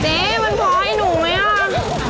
เจ๊มันพอให้หนูไหมอ่ะ